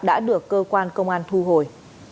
đã được cơ quan công an thu hồi